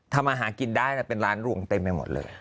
ทำอาหารกินได้เป็นร้านรวงเต็มไปหมดเลย